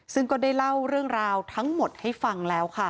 ซึ่งก็ได้เล่าเรื่องราวทั้งหมดให้ฟังแล้วค่ะ